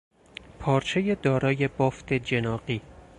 پارچهی دارای بافت جناغی